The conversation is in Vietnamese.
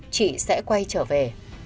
chị sẽ quay trở về